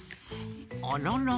あらら？